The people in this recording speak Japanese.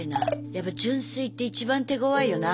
やっぱ純粋って一番手ごわいよな。